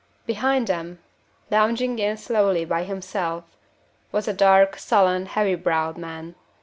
Behind them, lounging in slowly by himself, was a dark, sullen, heavy browed man.